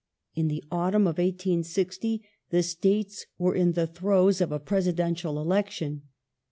In the autumn of 1860 the States were in the throes of a Presidential Election.